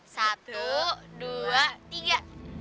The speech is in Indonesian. satu dua tiga